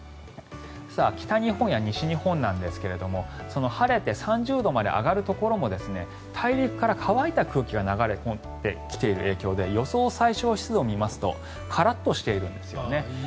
北日本や西日本なんですが晴れて３０度まで上がるところも大陸から乾いた空気が流れ込んできている影響で予想最小湿度を見ますとカラッとしているんですよね。